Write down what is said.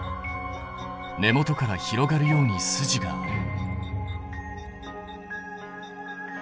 根元から広がるように筋がある。